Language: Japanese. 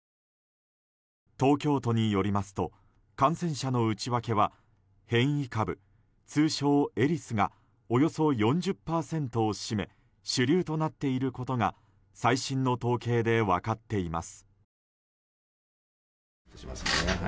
東京都によりますと感染者の内訳は変異株、通称エリスがおよそ４０％を占め主流となっていることが最新の統計で分かっています。